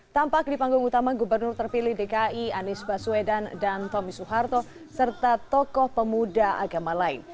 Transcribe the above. tampak di panggung utama gubernur terpilih dki anies baswedan dan tommy suharto serta tokoh pemuda agama lain